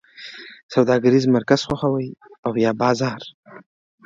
سوداګریز مرکز خوښوی او یا بازار؟